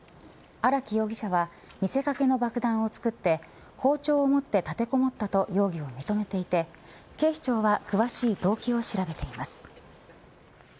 荒木容疑者は見せ掛けの爆弾を作って包丁持って立てこもったと容疑を認めていて警視庁は詳しい動機を調べています。